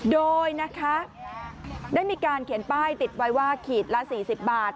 โดยได้มีการเขียนป้ายติดไว้ว่าขีดละสี่สิบบาท